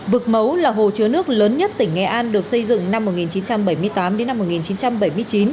vực mấu là hồ chứa nước lớn nhất tỉnh nghệ an được xây dựng năm một nghìn chín trăm bảy mươi tám đến năm một nghìn chín trăm bảy mươi chín